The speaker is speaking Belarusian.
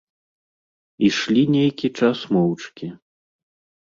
Ішлі нейкі час моўчкі.